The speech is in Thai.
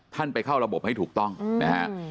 ท่านไปเข้าระบบให้ถูกต้องนะครับ